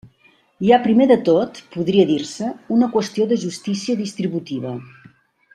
Hi ha primer de tot, podria dir-se, una qüestió de justícia distributiva.